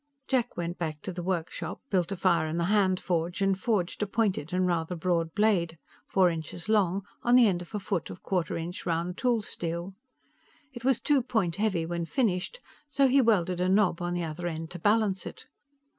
Jack went back to the workshop, built a fire on the hand forge and forged a pointed and rather broad blade, four inches long, on the end of a foot of quarter inch round tool steel. It was too point heavy when finished, so he welded a knob on the other end to balance it.